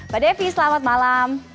pak devi selamat malam